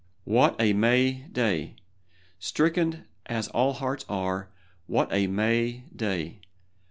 What a May day! Stricken as all hearts are, what a May day!